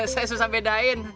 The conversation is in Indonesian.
saya susah bedain